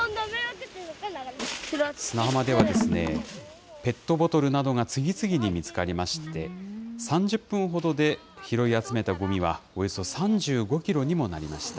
砂浜では、ペットボトルなどが次々に見つかりまして、３０分ほどで拾い集めたごみは、およそ３５キロにもなりました。